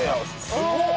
「すごっ」